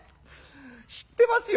知ってますよ